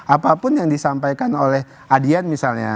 apapun yang disampaikan oleh adian misalnya